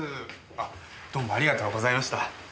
あっどうもありがとうございました。